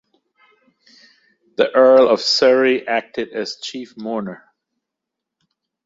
The Earl of Surrey acted as chief mourner.